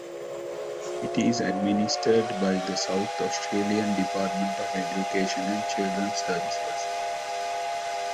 It is administered by the South Australian Department of Education and Children's Services.